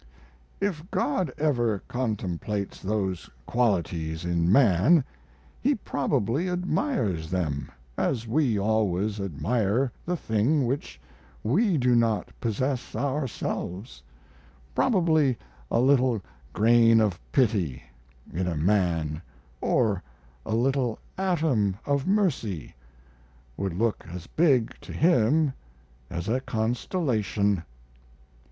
"If God ever contemplates those qualities in man He probably admires them, as we always admire the thing which we do not possess ourselves; probably a little grain of pity in a man or a little atom of mercy would look as big to Him as a constellation.